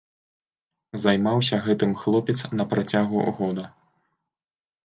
Займаўся гэтым хлопец на працягу года.